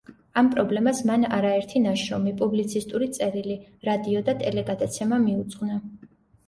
ამ პრობლემას მან არერთი ნაშრომი, პუბლიცისტური წერილი, რადიო და ტელეგადაცემა მიუძღვნა.